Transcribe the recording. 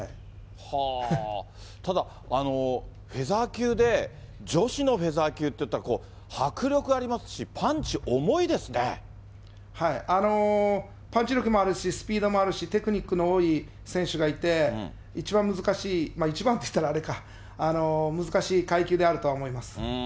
ただ、フェザー級で、女子のフェザー級っていったら、こう、迫力ありますし、パンチ重パンチ力もあるし、スピードもあるし、テクニックの多い選手がいて、一番難しい、一番って言ったらあれか、難しい階級であるとは思います。